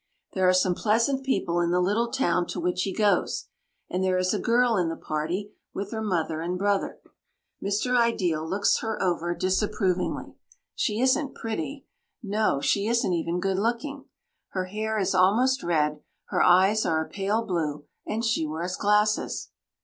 There are some pleasant people in the little town to which he goes, and there is a girl in the party with her mother and brother. Mr. Ideal looks her over disapprovingly. She isn't pretty no, she isn't even good looking. Her hair is almost red, her eyes are a pale blue, and she wears glasses.